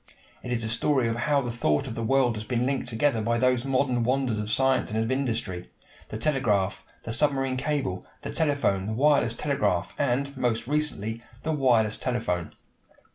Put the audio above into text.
It is the story of how the thought of the world has been linked together by those modern wonders of science and of industry the telegraph, the submarine cable, the telephone, the wireless telegraph, and, most recently, the wireless telephone.